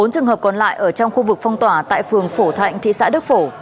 bốn trường hợp còn lại ở trong khu vực phong tỏa tại phường phổ thạnh thị xã đức phổ